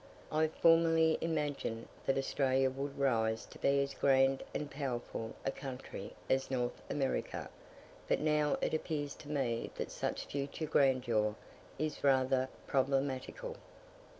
I formerly imagined that Australia would rise to be as grand and powerful a country as North America, but now it appears to me that such future grandeur is rather problematical.